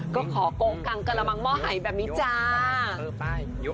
ก็ขอกลังกระละมังหม้อไหยแบบนี้จ้า